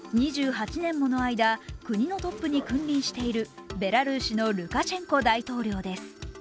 ２８年もの間、国のトップに君臨しているベラルーシのルカシェンコ大統領です。